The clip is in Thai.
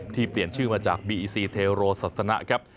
เปลี่ยนชื่อมาจากบีอีซีเทโรศาสนะครับ